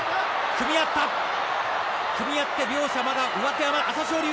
組み合って両者まだ上手がない。